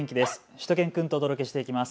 しゅと犬くんとお届けしていきます。